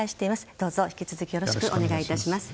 どうぞ引き続きよろしくお願いします。